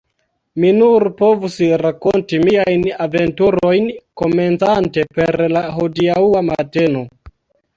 Mi nur povus rakonti miajn aventurojn komencante per la hodiaŭa mateno,.